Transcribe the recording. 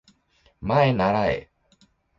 まえならえ